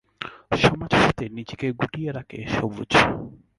সমাজ হতে নিজেকে গুটিয়ে রাখে সবুজ।